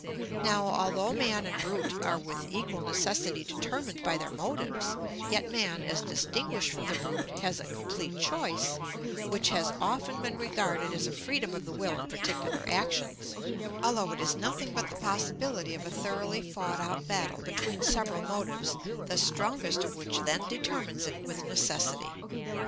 Now, although man and brute are with equal necessity determined by their motives, yet man, as distinguished from the brute, has a complete choice, which has often been regarded as a freedom of the will in particular actions, although it is nothing but the possibility of a thoroughly fought out battle between several motives, the strongest of which then determines it with necessity.